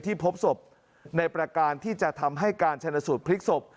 พบศพในประการที่จะทำให้การชนสูตรพลิกศพ